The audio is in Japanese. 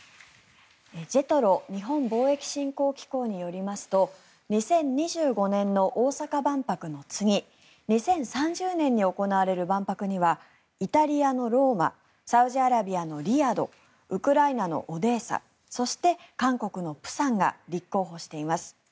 ＪＥＴＲＯ・日本貿易振興機構によりますと２０２５年の大阪万博の次２０３０年に行われる万博にはイタリアのローマサウジアラビアのリヤドウクライナのオデーサそして韓国の釜山が立候補しています。